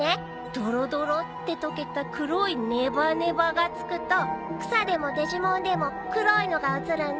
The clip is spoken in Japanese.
ドロドロって溶けた黒いネバネバがつくと草でもデジモンでも黒いのが移るんだ。